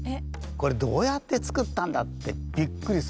これどうやって作ったんだってびっくりする。